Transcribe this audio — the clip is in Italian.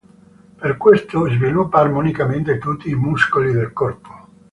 Per questo sviluppa armonicamente tutti i muscoli del corpo.